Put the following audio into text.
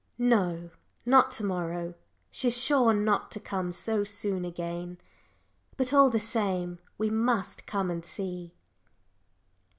"No, not to morrow she's sure not to come so soon again, but, all the same, we must come and see."